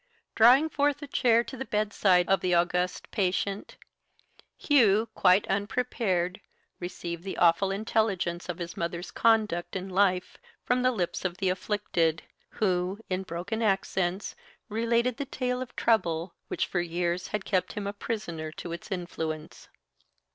Drawing forth a chair to the bedside of the august patient, Hugh, quite unprepared, received the awful intelligence of his mother's conduct and life from the lips of the afflicted, who, in broken accents, related the tale of trouble which for years had kept him a prisoner to its influence.